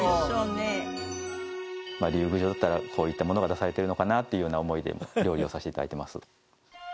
宮城だったらこういったものが出されているのかなっていうような思いで料理をさせていただいてます